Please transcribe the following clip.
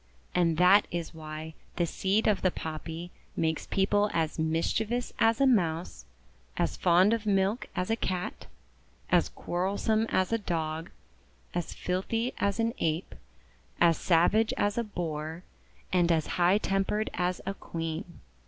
And that is why the seed of the Poppy makes people as mischievous as a Mouse, as fond of milk as a Cat, as quarrelsome as a Dog, as filthy as an Ape, as savage as a Boar, and as high tempered as a Queen.